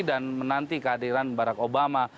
dan menanti kehadiran barack obama